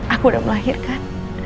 aku udah melahirkan